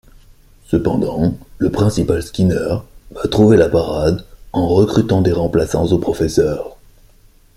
Cependant, le principal Skinner va trouver la parade en recrutant des remplaçants aux professeurs.